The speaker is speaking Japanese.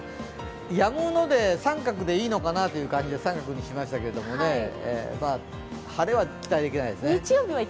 やむので△でいいのかなという感じで、△にしましたけど晴れは期待できないですね。